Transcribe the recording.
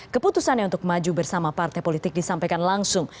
keputusannya untuk maju bersama partai politik disampaikan langsung